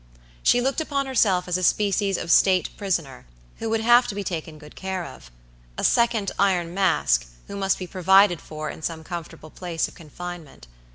She looked upon herself as a species of state prisoner, who would have to be taken good care of. A second Iron Mask, who must be provided for in some comfortable place of confinement.